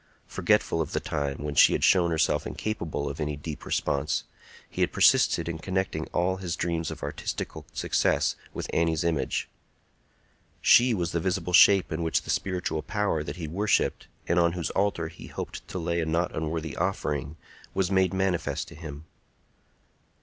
Forgetful of the time when she had shown herself incapable of any deep response, he had persisted in connecting all his dreams of artistical success with Annie's image; she was the visible shape in which the spiritual power that he worshipped, and on whose altar he hoped to lay a not unworthy offering, was made manifest to him.